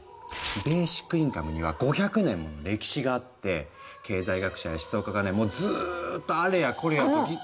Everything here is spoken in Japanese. ベーシックインカムには５００年もの歴史があって経済学者や思想家がねもうずっとあれやこれやと議論。